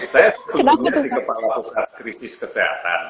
saya sudah berumur di kepala pusat krisis kesehatan